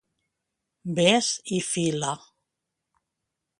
Ves i fila!